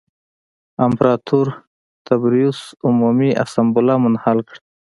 امپراتور تبریوس عمومي اسامبله منحل کړه